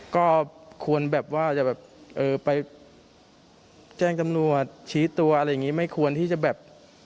ก็ควรแบบว่าจะแบบเออไปแจ้งตำรวจชี้ตัวอะไรอย่างนี้ไม่ควรที่จะแบบ